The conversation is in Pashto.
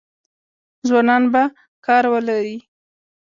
ځوانان به کار ولري؟